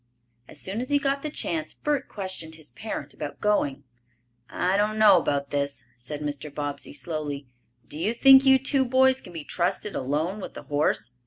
As soon as he got the chance Bert questioned his parent about going. "I don't know about this," said Mr. Bobbsey slowly. "Do you think you two boys can be trusted alone with the horse?"